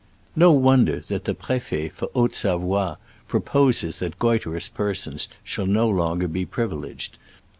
No wonder that the pr6fet for Haute Savoie proposes that goitrous persons shall no longer be privileged.